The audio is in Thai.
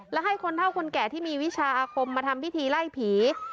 และให้คนเท่าคนแก่ที่มีวิชาอาคมมาทำพิธีไล่ผี